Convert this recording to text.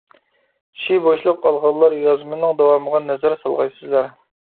چىشى بوشلۇق ئالغانلار يازمىنىڭ داۋامىغا نەزەر سالغايسىزلەر!